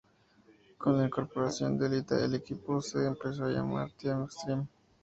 Con la incorporación de Lita el equipo se empezó a llamar Team Xtreme.